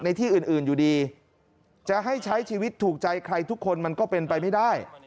ในที่อื่นอยู่ดีจะให้ใช้ชีวิตถูกใจใครทุกคนมันก็เป็นไปไม่ได้